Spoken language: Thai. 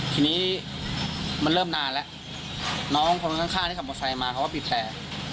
ทีนี้มันเริ่มนานแล้วโน้งคนข้างที่ขับผ่องไส้มาเขาก็บีบแผ่